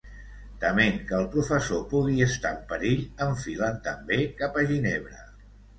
Tement que el professor pugui estar en perill, enfilen també cap a Ginebra.